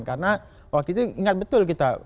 karena waktu itu ingat betul kita